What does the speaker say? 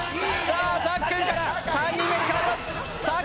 さっくんから３人目に代わります。